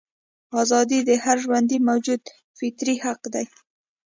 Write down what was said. ازادي د هر ژوندي موجود فطري حق دی.